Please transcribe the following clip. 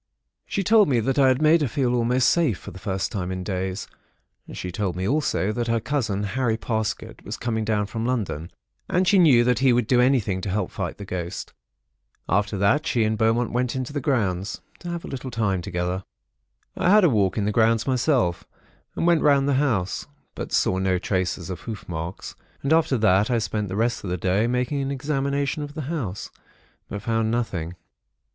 She told me that I had made her feel almost safe, for the first time for days. She told me also that her cousin, Harry Parsket, was coming down from London, and she knew that he would do anything to help fight the ghost. And after that she and Beaumont went out into the grounds, to have a little time together. "I had a walk in the grounds myself, and went round the house, but saw no traces of hoof marks; and after that, I spent the rest of the day, making an examination of the house; but found nothing.